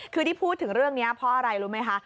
คือที่พูดถึงเรื่องนี้เพราะอะไรรู้ไหมคะ